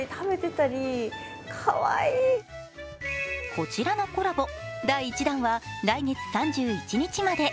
こちらのコラボ、第１弾は来月３１日まで。